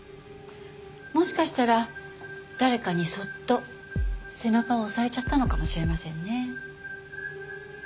もしかしたら誰かにそっと背中を押されちゃったのかもしれませんね。